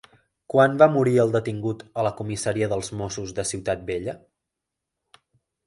Quan va morir el detingut a la comissaria dels Mossos de Ciutat Vella?